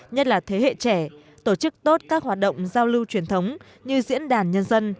nhất là thế hệ trẻ tổ chức tốt các hoạt động giao lưu truyền thống như diễn đàn nhân dân